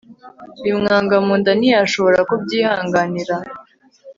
bimwanga mu nda ntiyashobora kubyihanganira